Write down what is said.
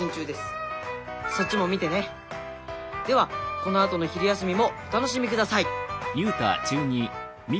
このあとの昼休みもお楽しみください。